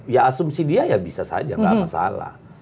ya asumsi dia ya bisa saja nggak masalah